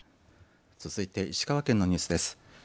続いて石川県のニュースです。